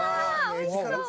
おいしそう。